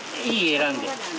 選んで。